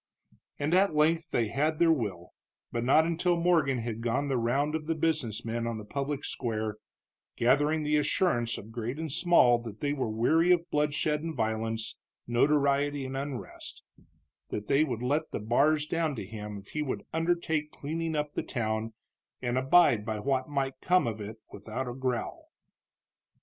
And at length they had their will, but not until Morgan had gone the round of the business men on the public square, gathering the assurance of great and small that they were weary of bloodshed and violence, notoriety and unrest; that they would let the bars down to him if he would undertake cleaning up the town, and abide by what might come of it without a growl.